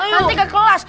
nanti ke kelas